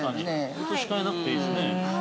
◆移し替えなくていいですね。